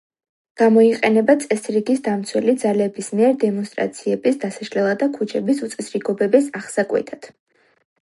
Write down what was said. გამოიყენება წესრიგის დამცველი ძალების მიერ დემონსტრაციების დასაშლელად და ქუჩების უწესრიგობების აღსაკვეთად.